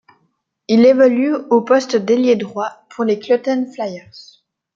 Il évolue au poste d'ailier droit pour les Kloten Flyers.